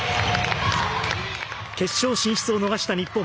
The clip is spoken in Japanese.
決勝進出を逃した日本。